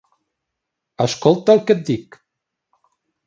Escolta el que et dic.